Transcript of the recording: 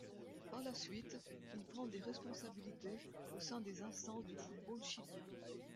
Par la suite, il prend des responsabilités au sein des instances du football chilien.